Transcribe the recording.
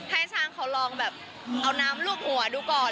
ให้ช่างเขาลองแบบเอาน้ำลูบหัวดูก่อน